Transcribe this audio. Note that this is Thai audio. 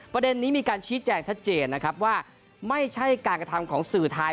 ประเด็นนี้มีการชี้แจงชัดเจนนะครับว่าไม่ใช่การกระทำของสื่อไทย